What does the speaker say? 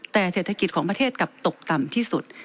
แต่เศรษฐกิจของประเทศกลับตกต่ำที่สุด